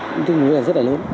cũng tương đối là rất là lớn